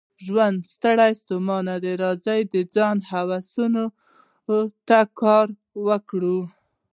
ژوند ستړی ستومانه دی، راځئ د ځان هوساینې ته کار وکړو.